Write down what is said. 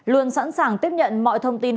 luôn sẵn sàng tiếp nhận mọi thông tin